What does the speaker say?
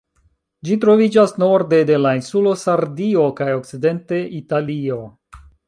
Ĝi troviĝas norde de la insulo Sardio kaj okcidente Italio.